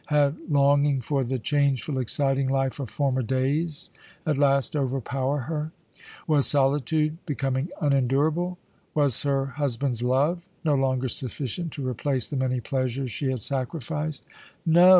Had longing for the changeful, exciting life of former days at last overpowered her? Was solitude becoming unendurable? Was her husband's love no longer sufficient to replace the many pleasures she had sacrificed? No!